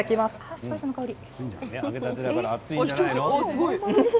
スパイスの香り。